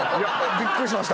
びっくりしました。